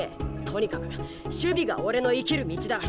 とにかく守備が俺の生きる道だ